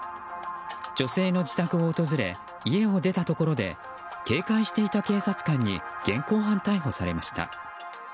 女性の自宅を訪れ家を出たところで警戒していた警察官に現行犯逮捕されました。